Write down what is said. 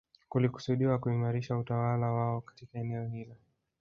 Kulikusudiwa kuimarisha utawala wao katika eneo hilo